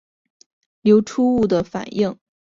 流出物的反应活性的这些测量指示污染的能力。